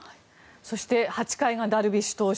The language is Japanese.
そして８回がダルビッシュ投手